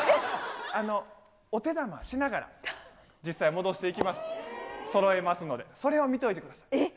あの、お手玉しながら、実際、戻していきます、そろえますので、それを見といてください。